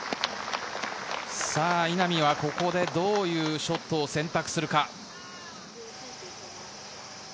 稲見はここでどういうショットを選択するか？